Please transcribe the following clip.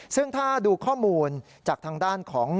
ซึ่งถ้าดูข้อมูลจากทางด้านของ